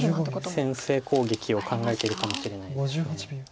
先制攻撃を考えてるかもしれないです。